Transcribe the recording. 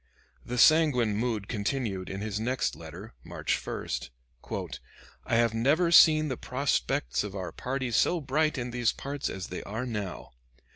The sanguine mood continued in his next letter, March 1: "I have never seen the prospects of our party so bright in these parts as they are now.